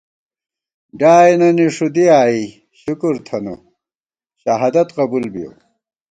ڈیائېننی ݭُدی آئی، شکر تھنہ شہادت قبُول بِیَؤ